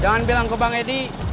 jangan bilang ke bang edi